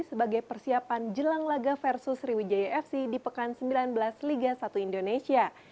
sebagai persiapan jelang laga versus sriwijaya fc di pekan sembilan belas liga satu indonesia